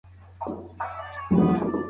بهر ته د خامو موادو لېږد زیان لري.